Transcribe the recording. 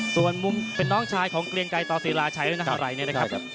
ส่วนมุมเป็นน้องชายของเกลียงไกลตอสิราชัยนะครับ